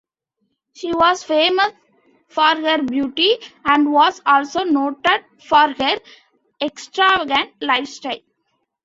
She was famous for her beauty, and was also noted for her extravagant lifestyle.